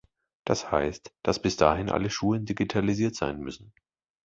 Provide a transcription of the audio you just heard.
Das heißt, dass bis dahin alle Schulen digitalisiert sein müssen.